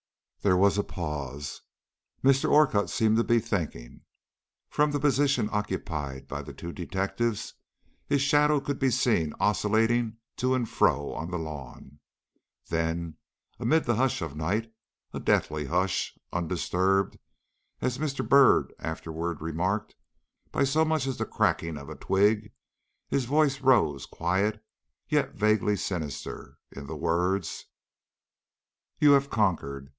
There was a pause; Mr. Orcutt seemed to be thinking. From the position occupied by the two detectives his shadow could be seen oscillating to and fro on the lawn, then, amid the hush of night a deathly hush undisturbed, as Mr. Byrd afterward remarked, by so much as the cracking of a twig, his voice rose quiet, yet vaguely sinister, in the words: "You have conquered.